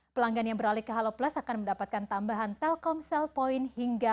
pelanggan yang beralih ke halo plus akan mendapatkan tambahan telkomsel point hingga